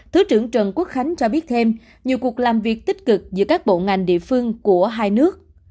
thứ trưởng trần quốc khánh cho biết thêm nhiều cuộc làm việc tích cực giữa các bộ ngành địa phương của hai nước